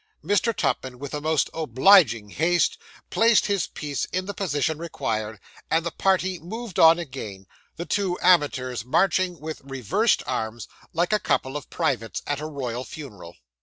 Mr. Tupman, with the most obliging haste, placed his piece in the position required, and the party moved on again; the two amateurs marching with reversed arms, like a couple of privates at a royal funeral.